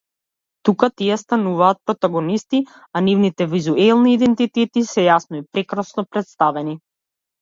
Тука тие стануваат протагонисти, а нивните визуелни идентитети се јасно и прекрасно претставени.